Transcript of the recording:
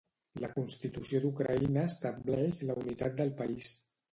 La constitució d'Ucraïna estableix la unitat del país.